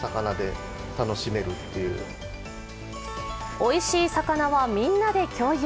おいしい魚はみんなで共有。